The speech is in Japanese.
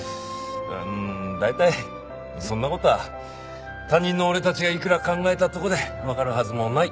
大体そんな事は他人の俺たちがいくら考えたところでわかるはずもない。